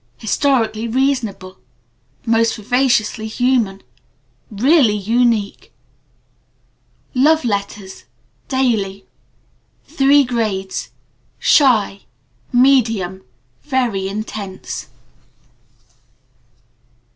Historically reasonable. Fortnightly. Most vivaciously human. Really unique.) Love Letters. (Three grades: Shy. Daily. Medium. Very Intense.)